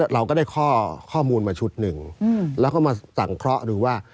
เราก็ได้ข้อมูลมาชุดหนึ่งแล้วก็มาสังเคราะห์ดูว่า